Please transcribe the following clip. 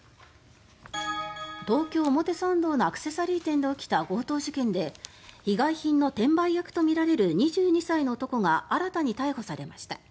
東京・表参道のアクセサリー店で起きた強盗事件で被害品の転売役とみられる２２歳の男が新たに逮捕されました。